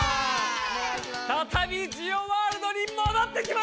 ふたたびジオワールドにもどってきました！